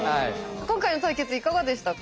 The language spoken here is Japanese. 今回の対決いかがでしたか？